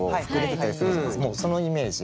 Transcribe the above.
もうそのイメージ。